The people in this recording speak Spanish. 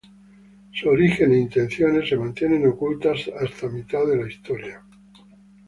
Su origen e intenciones se mantienen ocultas hasta mitad de la historia.